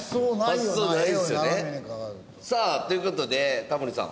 さあという事でタモリさん